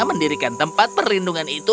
mendirikan tempat perlindungan itu